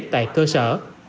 tại cơ sở